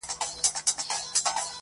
يوولس مياشتې يې پوره ماته ژړله